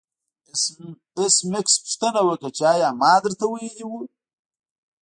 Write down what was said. ایس میکس پوښتنه وکړه چې ایا ما درته ویلي وو